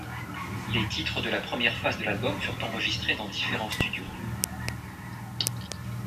Les titres de la première face de l'album furent enregistrés dans différents studios.